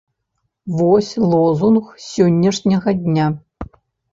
Вось лозунг сённяшняга дня!